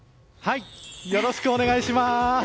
よろしくお願いします！